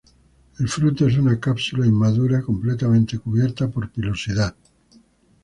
El fruto es una cápsula inmadura completamente cubierta por la pilosidad.